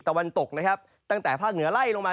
ตะวันตกตั้งแต่ภาคเหนือไล่ลงมา